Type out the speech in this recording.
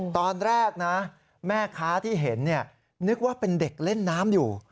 ตอนแรกนะแม่ค้าที่เห็นนึกว่าเป็นเด็กเล่นน้ำอยู่